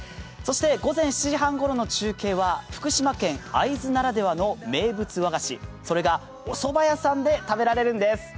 そして、午前７時半頃の中継は、福島県会津若松ならではの名物和菓子、それがおそば屋さんで食べられるんです。